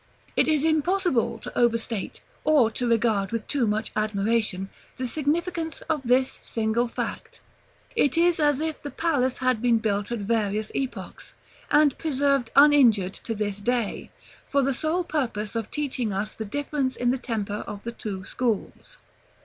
It is impossible to overstate, or to regard with too much admiration, the significance of this single fact. It is as if the palace had been built at various epochs, and preserved uninjured to this day, for the sole purpose of teaching us the difference in the temper of the two schools.